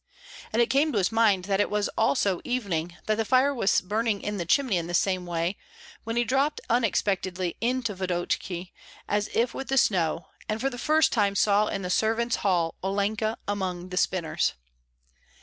And it came to his mind that it was also evening, that the fire was burning in the chimney in the same way, when he dropped unexpectedly into Vodokty, as if with the snow, and for the first time saw in the servants' hall Olenka among the spinners.